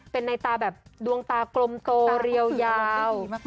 เป็นในตาแบบดวงตากลมโตเรียวยาว